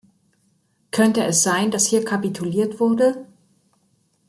Könnte es sein, dass hier kapituliert wurde?